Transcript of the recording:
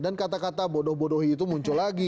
dan kata kata bodoh bodoh itu muncul lagi